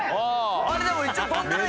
あれでも一応跳んでない？